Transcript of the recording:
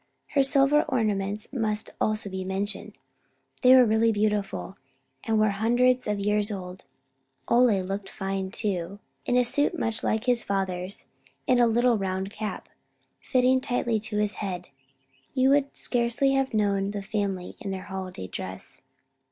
Her silver ornaments must also be mentioned. They were really beautiful, and were hundreds of years old. [Illustration: THE CHRISTENING.] Ole looked fine, too, in a suit much like his father's and a little round cap, fitting tightly to his head. You would scarcely have known the family in their holiday dress.